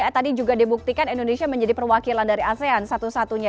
tadi juga dibuktikan indonesia menjadi perwakilan dari asean satu satunya